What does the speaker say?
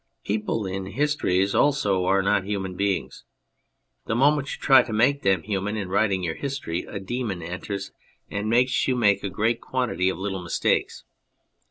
People in histories also are not human beings. The moment you try to make them human in writing your history a demon enters and makes you make a 38 On People in Books great quantity of little mistakes.